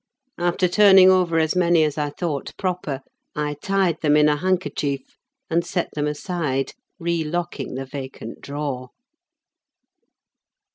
After turning over as many as I thought proper, I tied them in a handkerchief and set them aside, relocking the vacant drawer.